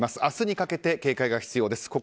明日にかけて警戒が必要です。